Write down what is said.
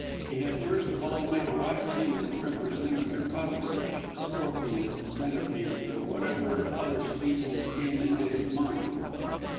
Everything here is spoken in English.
He had first of all made a wax image representing a cockroach scorpion centipede, or whatever other species came into his mind.